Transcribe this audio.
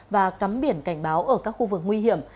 và cắm biển cảnh báo ở các khu vực nguy hiểm